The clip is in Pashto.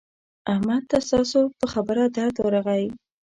احمد ته ستاسو په خبره درد ورغی.